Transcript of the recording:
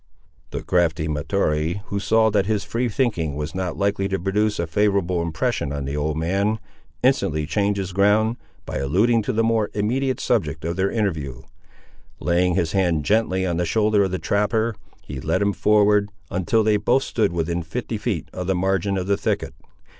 The crafty Mahtoree, who saw that his free thinking was not likely to produce a favourable impression on the old man, instantly changed his ground, by alluding to the more immediate subject of their interview. Laying his hand gently on the shoulder of the trapper, he led him forward, until they both stood within fifty feet of the margin of the thicket.